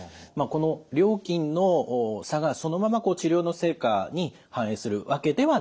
この料金の差がそのまま治療の成果に反映するわけではないということですね。